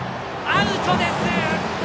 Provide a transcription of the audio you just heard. アウトです！